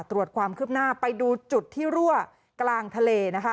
ตรวจความคืบหน้าไปดูจุดที่รั่วกลางทะเลนะคะ